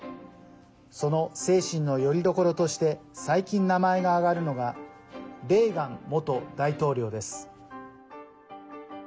その精神のよりどころとして最近、名前が挙がるのがレーガン元大統領です。